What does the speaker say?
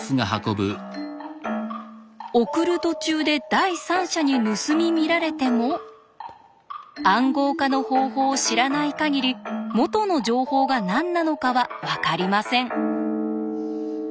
送る途中で第三者に盗み見られても暗号化の方法を知らない限り元の情報が何なのかはわかりません。